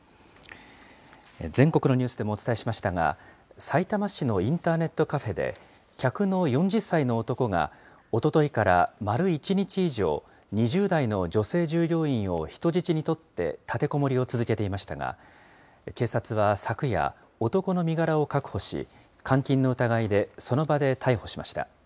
全国のニュースでもお伝えしましたが、さいたま市のインターネットカフェで、客の４０歳の男が、おとといから丸１日以上、２０代の女性従業員を人質に取って立てこもりを続けていましたが、警察は昨夜、男の身柄を確保し、監禁の疑いで、その場で逮捕しました。